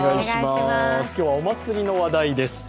今日はお祭りの話題です。